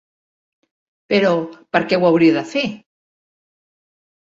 Però, per què ho hauria de fer?